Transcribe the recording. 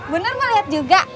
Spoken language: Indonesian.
bu nur mau lihat juga